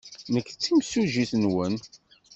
Nekk d timsujjit-nwen.